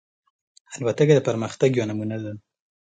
الوتکه د پرمختګ یوه نمونه ده.